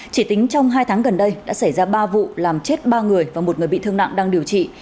chỉ tính trong hai tháng gần đây đã xảy ra ba vụ làm chết ba người và một người bị thương nặng đang điều trị